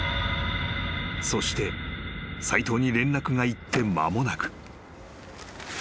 ［そして斎藤に連絡がいって間もなく］